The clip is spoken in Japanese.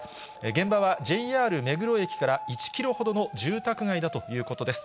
現場はＪＲ目黒駅から１キロほどの住宅街だということです。